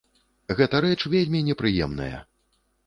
Гэта рэч вельмі непрыемная.